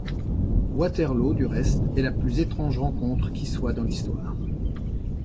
Waterloo, du reste, est la plus étrange rencontre qui soit dans l’histoire.